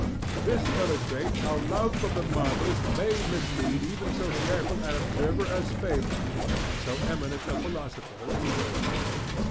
This illustrates how love of the marvellous may mislead even so careful an observer as Fabre and so eminent a philosopher as Bergson.